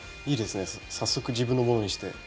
いいですね早速自分のものにして。